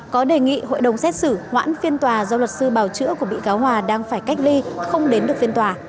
có đề nghị hội đồng xét xử hoãn phiên tòa do luật sư bào chữa của bị cáo hòa đang phải cách ly không đến được phiên tòa